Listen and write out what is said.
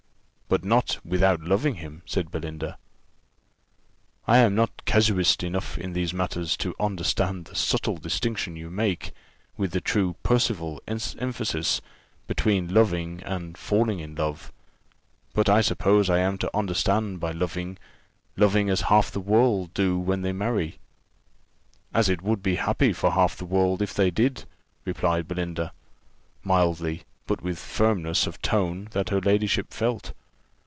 "But not without loving him," said Belinda. "I am not casuist enough in these matters to understand the subtle distinction you make, with the true Percival emphasis, between loving and falling in love. But I suppose I am to understand by loving, loving as half the world do when they marry." "As it would be happy for half the world if they did," replied Belinda, mildly, but with a firmness of tone that her ladyship felt.